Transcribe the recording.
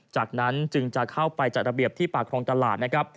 จากนั้นจึงจะเข้าไปจัดระเบียบที่ปากครองตลาดนะครับ